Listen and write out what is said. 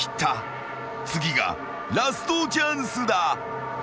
［次がラストチャンスだ］